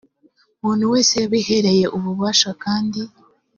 muntu wese yabihereye ububasha kandi